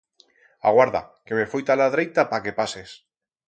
Aguarda que me foi ta la dreita pa que pases.